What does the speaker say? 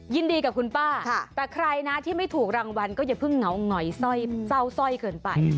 ยินดีกับคุณป้าแต่ใครนะที่ไม่ถูกรางวัลก็อย่าเพิ่งเหงาหงอยเศร้าสร้อยเกินไป